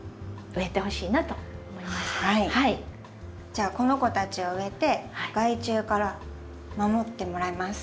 じゃあこの子たちを植えて害虫から守ってもらいます。